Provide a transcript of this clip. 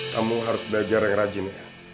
kamu harus belajar yang rajin